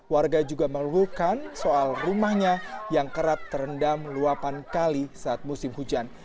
warga juga mengeluhkan soal rumahnya yang kerap terendam luapan kali saat musim hujan